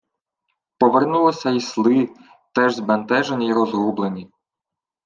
Повернулися й сли, теж збентежені й розгублені: